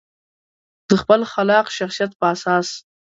د خپل خلاق شخصیت په اساس.